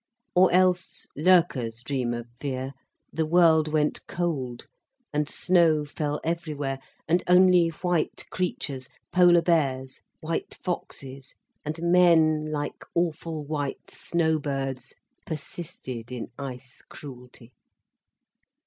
Or else, Loerke's dream of fear, the world went cold, and snow fell everywhere, and only white creatures, polar bears, white foxes, and men like awful white snow birds, persisted in ice cruelty.